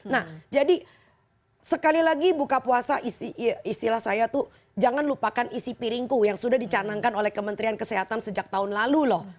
nah jadi sekali lagi buka puasa istilah saya tuh jangan lupakan isi piringku yang sudah dicanangkan oleh kementerian kesehatan sejak tahun lalu loh